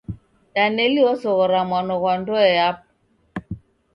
Daneli osoghora mwano ghwa ndoe yapo.